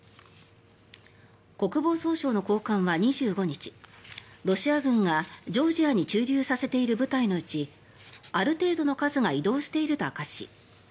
国防総省の高官は２５日ロシア軍がジョージアに駐留させている部隊のうちある程度の数が移動していると明かし